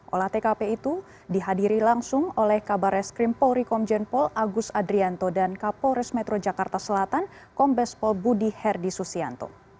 olah tkp itu dihadiri langsung oleh kabar es krim polri komjen paul agus adrianto dan kapolres metro jakarta selatan kombes pol budi herdi susianto